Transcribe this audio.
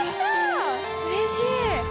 うれしい。